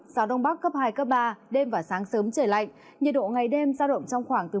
gió đông bắc cấp hai cấp ba đêm và sáng sớm trời lạnh nhiệt độ ngày đêm ra động trong khoảng một mươi chín ba mươi một độ